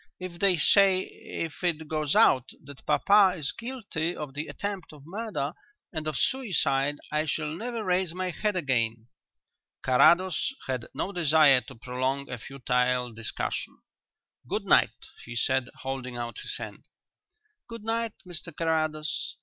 If they say if it goes out that papa is guilty of the attempt of murder, and of suicide, I shall never raise my head again." Carrados had no desire to prolong a futile discussion. "Good night," he said, holding out his hand. "Good night, Mr Carrados."